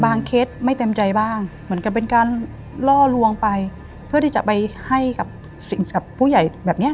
เคสไม่เต็มใจบ้างเหมือนกับเป็นการล่อลวงไปเพื่อที่จะไปให้กับสิ่งกับผู้ใหญ่แบบเนี้ย